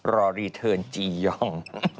รอรีเทิร์นจียอง